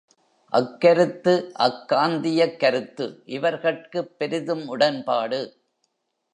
அக்கருத்து அக்காந்தியக் கருத்து இவர்கட்குப் பெரிதும் உடன்பாடு.